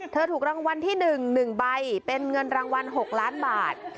ถูกรางวัลที่๑๑ใบเป็นเงินรางวัล๖ล้านบาท